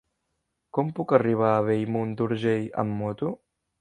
Com puc arribar a Bellmunt d'Urgell amb moto?